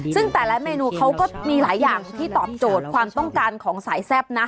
ซึ่งแต่ละเมนูเขาก็มีหลายอย่างที่ตอบโจทย์ความต้องการของสายแซ่บนะ